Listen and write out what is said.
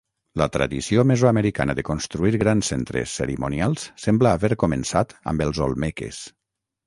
La tradició mesoamericana de construir grans centres cerimonials sembla haver començat amb els olmeques.